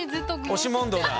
押し問答だ。